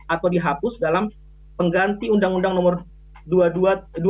atau dihapus dalam pengganti undang undang nomor dua tahun dua ribu dua puluh dua tentang cipta kerja